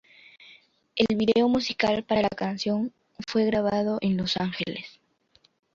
El video musical para la canción fue grabado en Los Ángeles.